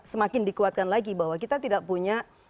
semakin dikuatkan lagi bahwa kita tidak punya